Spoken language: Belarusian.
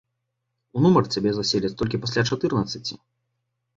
У нумар цябе заселяць толькі пасля чатырнаццаці.